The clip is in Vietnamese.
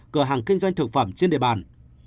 cửa hàng kinh doanh thực phẩm trên đề bàn